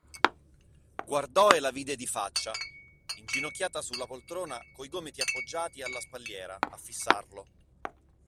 Guardò e la vide di faccia: inginocchiata sulla poltrona coi gomiti appoggiati alla spalliera, a fissarlo.